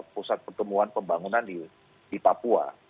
pusat pertumbuhan pembangunan di papua